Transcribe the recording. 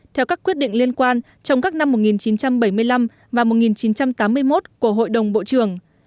theo các quyết định liên quan trong các năm một nghìn chín trăm bảy mươi năm và một nghìn chín trăm tám mươi một của hội đồng bộ trưởng